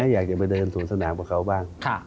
อยากจะไปเดินสวนสนามกับเขาบ้าง